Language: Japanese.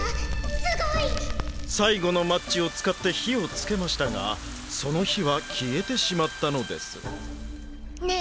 すごい！さいごのマッチをつかって火をつけましたがその火はきえてしまったのですねえ